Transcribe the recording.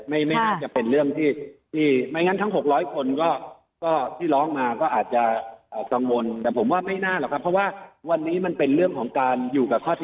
ไม่น่าจะเป็นเรื่องที่ไม่งั้นทั้ง๖๐๐คนที่มาอาจจะตังวนแต่ผมว่าไม่ง่น่าเลย